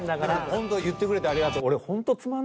ほんと言ってくれてありがとう。